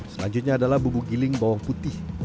selanjutnya adalah bubuk giling bawang putih